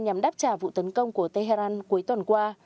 nhằm đáp trả vụ tấn công của tehran cuối tuần qua